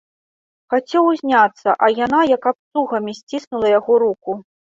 Хацеў узняцца, а яна як абцугамі сціснула яго руку.